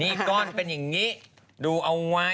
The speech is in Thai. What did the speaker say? นี่ก้อนเป็นอย่างนี้ดูเอาไว้